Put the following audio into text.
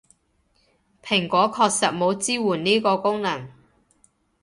蘋果確實冇支援呢個功能